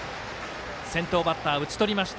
先頭バッター打ち取りました。